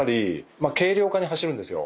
まあ軽量化に走るんですよ。